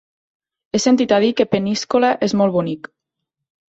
He sentit a dir que Peníscola és molt bonic.